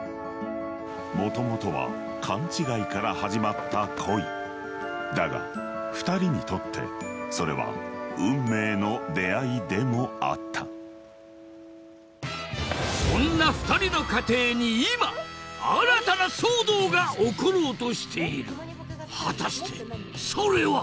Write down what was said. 元々は勘違いから始まった恋だが２人にとってそれは運命の出会いでもあったそんな２人の家庭に今新たな騒動が起ころうとしている果たしてそれは